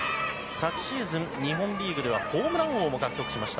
昨シーズン日本リーグではホームラン王も獲得しました。